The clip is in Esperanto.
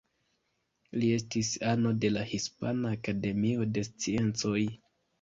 Li estis ano de la Hispana Akademio de Sciencoj.